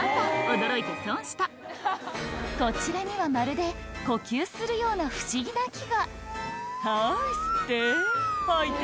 驚いて損したこちらにはまるで呼吸するような不思議な木が「はい吸って吐いて」